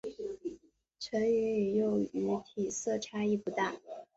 成鱼与幼鱼体色差异不大。